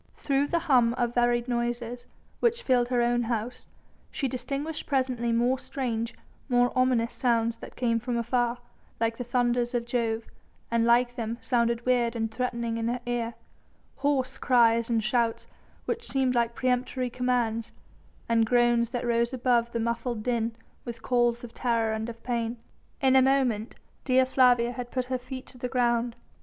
Through the hum of varied noises which filled her own house, she distinguished presently more strange, more ominous sounds that came from afar, like the thunders of Jove, and like them sounded weird and threatening in her ear; hoarse cries and shouts which seemed like peremptory commands, and groans that rose above the muffled din with calls of terror and of pain. In a moment Dea Flavia had put her feet to the ground.